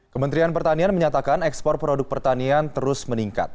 kementerian pertanian menyatakan ekspor produk pertanian terus meningkat